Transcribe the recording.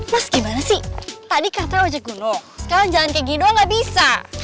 mas gimana sih tadi kata ojek gunung sekarang jalan kayak gitu aja gak bisa